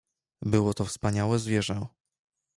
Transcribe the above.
"Było to wspaniałe zwierzę."